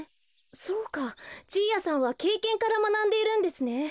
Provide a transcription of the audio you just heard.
そうかじいやさんはけいけんからまなんでいるんですね。